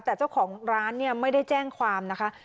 แต่เจ้าของร้านเนี่ยไม่ได้แจ้งความนะคะ